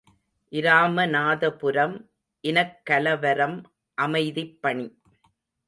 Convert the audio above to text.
● இராமநாதபுரம் இனக் கலவரம் அமைதிப்பணி.